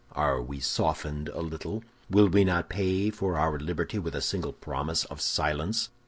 Are we softened a little? Will we not pay for our liberty with a single promise of silence?